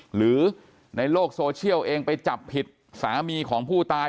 หรือในโลกโซเชียลเองไปจับผิดสามีของผู้ตาย